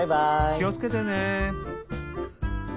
きをつけてね！